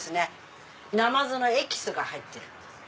なまずのエキスが入ってるんです。